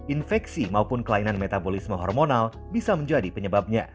infeksi maupun kelainan metabolisme hormonal bisa menjadi penyebabnya